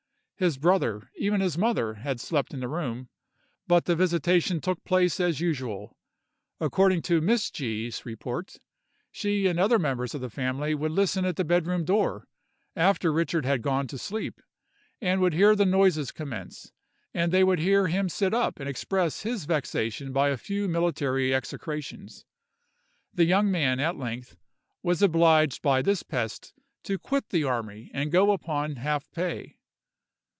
His brother, even his mother, had slept in the room, but the visitation took place as usual. According to Miss G——'s report, she and other members of the family would listen at the bed room door, after Richard had gone to sleep, and would hear the noises commence; and they would then hear him sit up and express his vexation by a few military execrations. The young man, at length, was obliged by this pest to quit the army and go upon half pay.